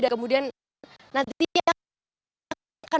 dan kemudian nantinya